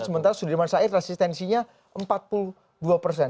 sementara sudirman said resistensinya empat puluh dua persen